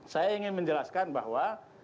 saya ingin menjelaskan bahwa